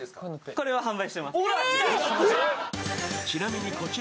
これは販売しています。